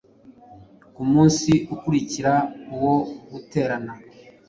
Ku munsi ukurikira wo guterana